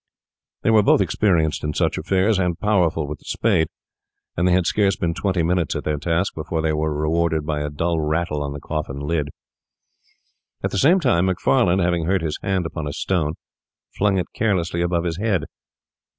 They were both experienced in such affairs, and powerful with the spade; and they had scarce been twenty minutes at their task before they were rewarded by a dull rattle on the coffin lid. At the same moment Macfarlane, having hurt his hand upon a stone, flung it carelessly above his head.